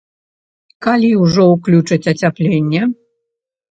Калі ўжо ўключаць ацяпленне?